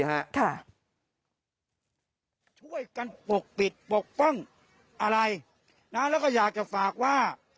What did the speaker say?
ช่วยกันปกปิดปกป้องอะไรนะแล้วก็อยากจะฝากว่า